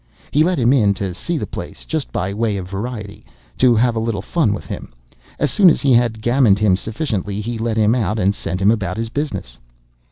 He let him in to see the place—just by way of variety,—to have a little fun with him. As soon as he had gammoned him sufficiently, he let him out, and sent him about his business."